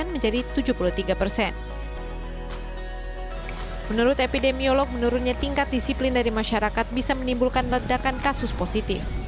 menurut epidemiolog menurunnya tingkat disiplin dari masyarakat bisa menimbulkan ledakan kasus positif